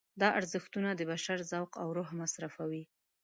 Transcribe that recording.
دا ارزښتونه د بشر ذوق او روح مصرفوي.